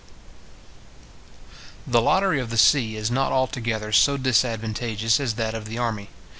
The lottery of the sea is not altogether so disadvantageous as that of the army.